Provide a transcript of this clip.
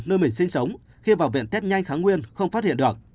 nơi mình sinh sống khi vào viện test nhanh kháng nguyên không phát hiện được